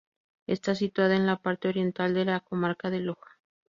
Está situada en la parte oriental de la comarca de Loja.